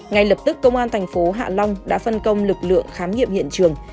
ngay lập tức công an thành phố hạ long đã phân công lực lượng khám nghiệm hiện trường